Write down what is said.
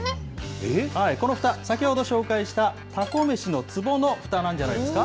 このふた、先ほど紹介したたこ飯のつぼのふたなんじゃないですか。